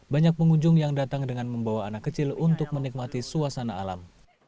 banyak pengunjung yang datang dengan membawa anak kecil untuk menikmati suasana alam